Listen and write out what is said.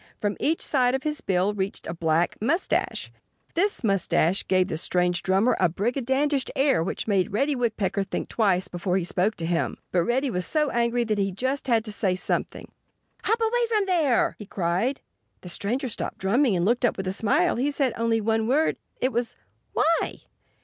From each side of his bill reached a black mustache. This mustache gave the strange drummer a brigandish air which made Reddy Woodpecker think twice before he spoke to him. But Reddy was so angry that he just had to say something. "Hop away from there!" he cried. The stranger stopped drumming and looked up with a smile. He said only one word. It was "Why?"